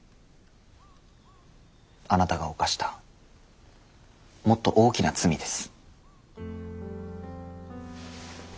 あなたが犯したもっと大きな罪です。